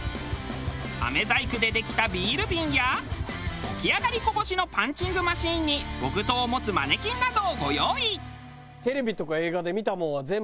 あめ細工でできたビール瓶やおきあがりこぼしのパンチングマシンに木刀を持つマネキンなどをご用意。って感じ。